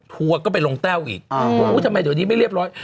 ทัวร์ก็ไปลงแต้วอีกว่าอุ้ยทำไมเดี๋ยวนี้ไม่เรียบร้อย